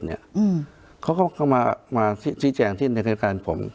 เขาก็มาทิจแจงที่ในการงานผม